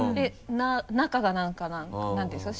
中がなんか何て言うんですか？